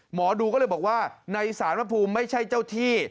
หมอดูก็เลยบอกว่าในสารพระภูมิไม่ใช่เจ้าที่